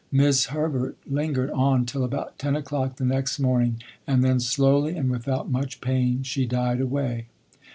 'Mis' Herbert lingered on till about ten o'clock the next morning, and then slowly and without much pain she died away.